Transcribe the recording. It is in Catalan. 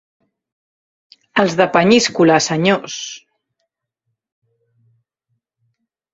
Els de Peníscola, senyors.